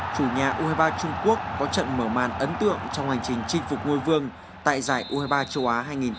chủ nhà u hai mươi ba trung quốc có trận mở màn ấn tượng trong hành trình chinh phục ngôi vương tại giải u hai mươi ba châu á hai nghìn hai mươi bốn